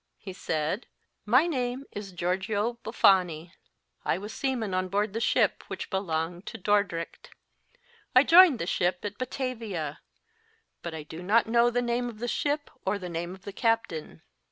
He said : My name is Georgio Buffani. I was seaman on board the ship, which belonged to Dordrecht. I joined the ship at Batavia, but I do not know t/ie name of tJie ship or the name of the captain!